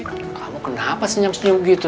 kamu kenapa senyap senyum gitu